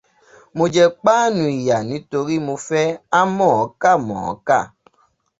Mo jẹ páànù ìyà nítori mo fẹ́ á mọ̀ọ́ká mọ̀ọ́kà.